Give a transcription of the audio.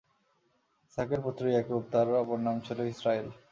ইসহাকের পুত্র ইয়াকূব তাঁর অপর নাম ছিল ইসরাঈল।